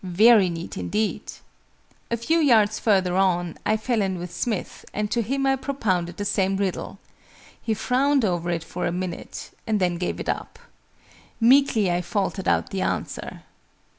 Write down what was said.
Very neat indeed." A few yards further on, I fell in with Smith and to him I propounded the same riddle. He frowned over it for a minute, and then gave it up. Meekly I faltered out the answer.